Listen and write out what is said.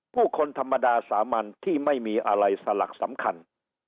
ผู้คนธรรมดาสามัญที่ไม่มีอะไรสลักสำคัญ